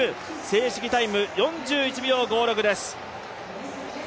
正式タイム４１秒５６です。